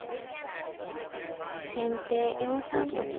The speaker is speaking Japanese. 先手４三と金。